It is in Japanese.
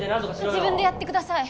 自分でやってください。